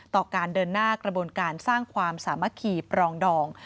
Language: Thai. การเดินหน้ากระบวนการสร้างความสามัคคีปรองดอง